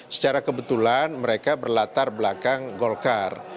secara kebetulan mereka berlatar belakang golkar